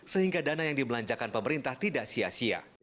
sehingga dana yang dibelanjakan pemerintah tidak sia sia